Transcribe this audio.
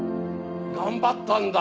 頑張ったんだ。